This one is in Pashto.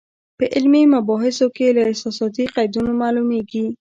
په علمي مباحثو کې له احساساتي قیدونو معلومېږي.